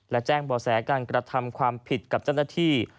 และแจ้งบ่อแสการกระทำความผิดกับเจ้าหน้าที่